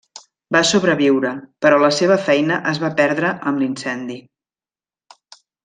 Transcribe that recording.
Va sobreviure, però la seva feina es va perdre amb l'incendi.